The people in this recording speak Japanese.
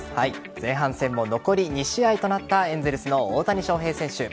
前半戦も残り２試合となったエンゼルスの大谷翔平選手。